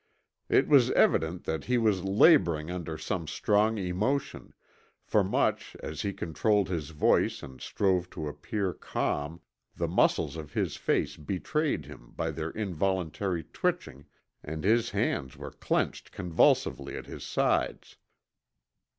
It was evident that he was laboring under some strong emotion, for much as he controlled his voice and strove to appear calm the muscles of his face betrayed him by their involuntary twitching, and his hands were clenched convulsively at his sides.